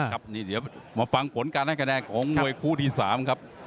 ครับนี่เดี๋ยวมาฟังผลการให้คะแนนของมวยคู่ที่๓ครับ